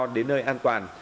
đến nơi an toàn